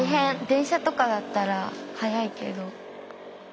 電車とかだったら速いけど。